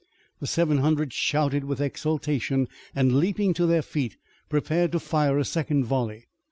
The seven hundred shouted with exultation and, leaping to their feet, prepared to fire a second volley.